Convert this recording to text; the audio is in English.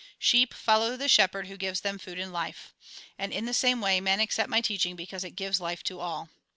" Sheep follow the shepherd, who gives them food and life ; and in the same way, men accept my teaching because it gives life to all.